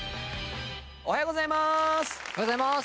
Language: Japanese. おはようございます！